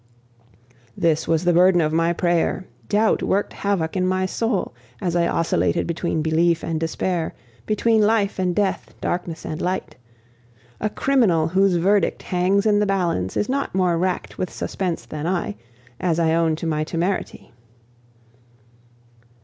"This was the burden of my prayer; doubt worked havoc in my soul as I oscillated between belief and despair, between life and death, darkness and light. A criminal whose verdict hangs in the balance is not more racked with suspense than I, as I own to my temerity.